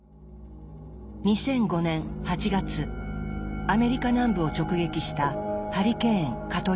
２００５年８月アメリカ南部を直撃したハリケーン・カトリーナ。